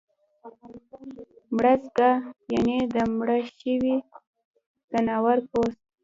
مړزګه یعنی د مړه شوي ځناور پوست